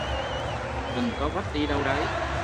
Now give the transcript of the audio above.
đừng có vất đi đâu đấy